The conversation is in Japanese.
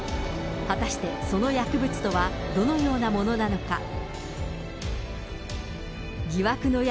果たしてその薬物とはどのようなものなのか。